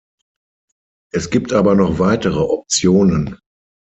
Es gibt aber noch weitere Optionen.